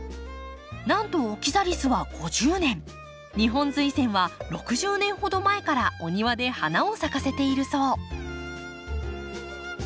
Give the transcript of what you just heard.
なんとオキザリスは５０年ニホンズイセンは６０年ほど前からお庭で花を咲かせているそう。